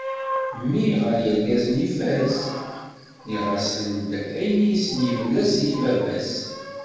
Mmi ɣer yirgazen ifaz, nniɣ-asen d ayen i as-yemla zik baba-s.